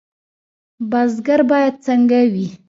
بزګر باید څنګه وي؟